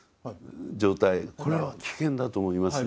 これは危険だと思いますね。